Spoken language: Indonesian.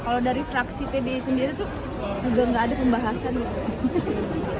kalau dari fraksi pdi sendiri tuh juga nggak ada pembahasan gitu